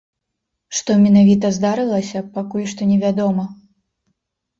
Што менавіта здарылася, пакуль што невядома.